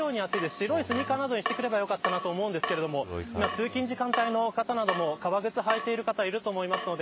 白いスニーカーなどにしてくればよかったと思うんですけど通勤時間帯の方なども革靴を履いてる方いると思うので